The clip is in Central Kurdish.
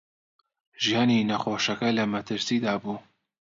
ژیانی نەخۆشەکە لە مەترسیدا بوو.